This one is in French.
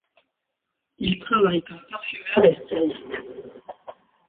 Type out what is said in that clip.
Il travaille comme parfumeur et styliste.